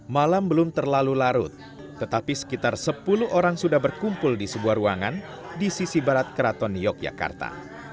malam belum terlalu larut tetapi sekitar sepuluh orang sudah berkumpul di sebuah ruangan di sisi barat keraton yogyakarta